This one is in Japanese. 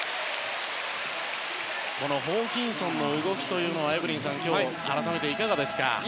ホーキンソンの動きはエブリンさん、今日改めていかがですか？